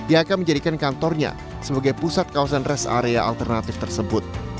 yang akan menjadikan kantornya sebagai pusat kawasan rest area alternatif tersebut